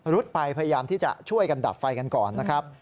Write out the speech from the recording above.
รถไฟพยายามที่จะช่วยกันดับไฟกันก่อนนะครับ